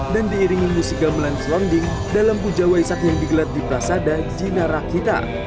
dan diiringi musik gamelan shlonding dalam puja waisak yang digelar di prasada jinara kita